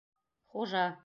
Хужа!